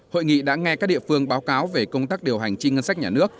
hội nghị đã nghe các địa phương báo cáo về công tác điều hành chi ngân sách nhà nước